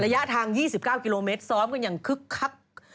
ระยะทาง๒๙กิโลเมตรซ้อมกันอย่างคึกคัก